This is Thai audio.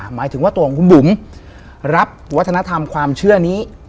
หมายถึงว่าตัวของคุณบุ๋มรับวัฒนธรรมความเชื่อนี้